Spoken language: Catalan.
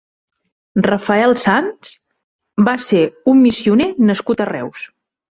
Rafael Sans va ser un missioner nascut a Reus.